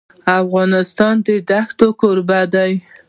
افغانستان د ښتې کوربه دی.